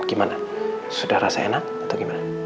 gimana sudah rasa enak